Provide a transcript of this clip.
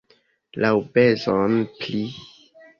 Laŭbezone pli.